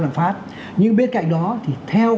làm pháp nhưng bên cạnh đó thì theo